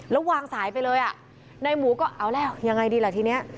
แล้ววางสายไปเลยอ่ะนายหมูก็เอาแล้วยังไงดีล่ะทีนี้